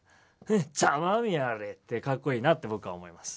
「ざまぁみやがれ」ってかっこいいなって僕は思います。